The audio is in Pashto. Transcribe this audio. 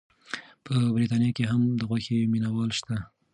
په بریتانیا کې هم د غوښې مینه وال شته.